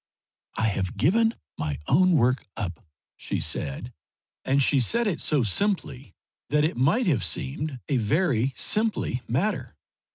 "I have given my own work up," she said, and she said it so simply that it might have seemed a very simply matter.